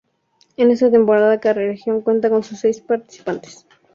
En esta temporada cada Región cuenta con seis participantes.